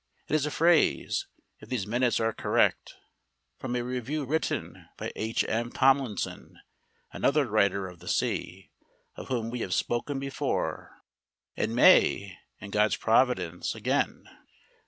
It is a phrase, if these minutes are correct, from a review written by H.M. Tomlinson, another writer of the sea, of whom we have spoken before, and may, in God's providence, again.